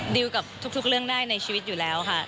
ดิวกับทุกเรื่องได้ในชีวิตอยู่แล้วค่ะ